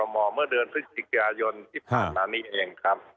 หมอเมื่อเดือนพฤศจิกายนที่ผ่านมานี้เองครับ